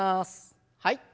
はい。